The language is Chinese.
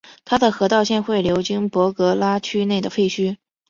它的河道现会流经博格拉区内的废墟。